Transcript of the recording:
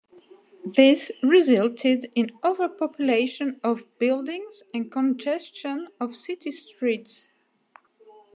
This resulted in overpopulation of the buildings, and congestion of city streets.